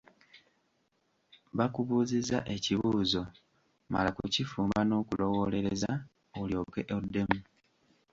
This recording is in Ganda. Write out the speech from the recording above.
Bakubuuzizza ekibuuzo, mala kukifumba n'okulowoolereza, olyoke oddemu.